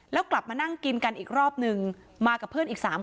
แล้วกลับมานั่งกินกันอีกรอบนึงมากับเพื่อนอีก๓คน